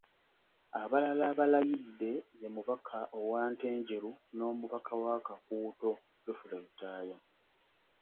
Abalala abalayidde ye mubaka owa Ntenjeru n’omubaka wa Kakuuto, Geofrey Lutaaya.